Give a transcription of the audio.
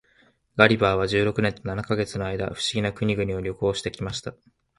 ガリバーは十六年と七ヵ月の間、不思議な国々を旅行して来ました。